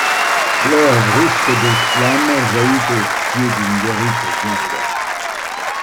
L'or brusque des flammes jaillit au pied d'une guérite vide.